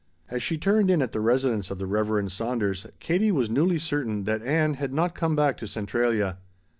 As she turned in at the residence of the Reverend Saunders Katie was newly certain that Ann had not come back to Centralia.